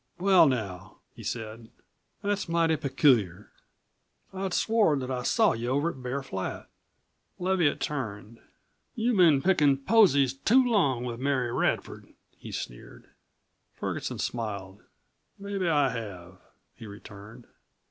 "Well, now," he said, "that's mighty peculiar. I'd swore that I saw you over in Bear Flat." Leviatt turned. "You've been pickin' posies too long with Mary Radford," he sneered. Ferguson smiled. "Mebbe I have," he returned.